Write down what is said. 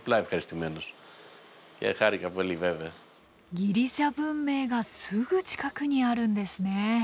ギリシャ文明がすぐ近くにあるんですね。